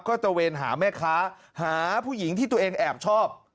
ก็ตะเวนหาแม่ค้าหาผู้หญิงที่ตัวเองแอบชอบ